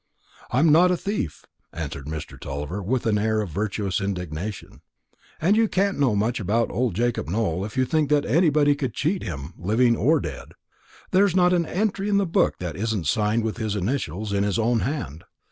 "I'm not a thief," answered Mr. Tulliver with an air of virtuous indignation; "and you can't know much about old Jacob Nowell if you think that anybody could cheat him, living or dead. There's not an entry in the book that isn't signed with his initials, in his own hand.